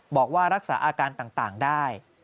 บอกว่ารักษาอาการต่างได้